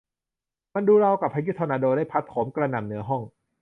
มันดูราวกับว่าพายุทอร์นาโดได้พัดโหมกระหน่ำเหนือห้อง